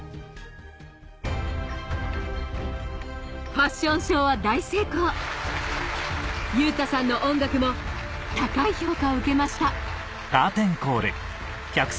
ファッションショーは大成功優太さんの音楽も高い評価を受けました